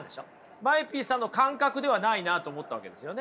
ＭＡＥＰさんの感覚ではないなと思ったわけですよね？